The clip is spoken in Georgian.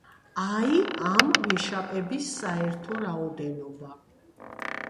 აი, ამ ვეშაპების საერთო რაოდენობა.